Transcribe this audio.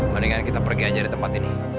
mendingan kita pergi aja di tempat ini